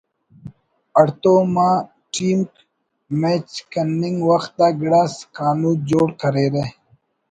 ہڑتوم آ ٹیمک میچ کننگ وخت آ گڑاس کانود جوڑ کریرہ